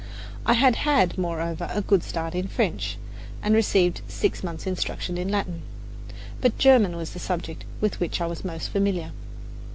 I had had, moreover, a good start in French, and received six months' instruction in Latin; but German was the subject with which I was most familiar.